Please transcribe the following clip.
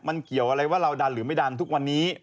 มันเกี่ยวอะไรว่าเราดันหรือไม่ดันทุกวันนี้